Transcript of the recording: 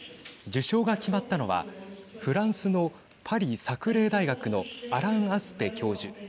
受賞が決まったのはフランスのパリ・サクレー大学のアラン・アスペ教授。